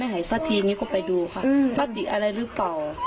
ไม่หายซักทีก็ไปดูค่ะประติอะไรหรือเปล่า